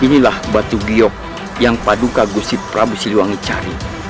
inilah batu giyok yang paduka gusih prabu siliwangi cari